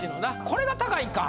これが高いんか？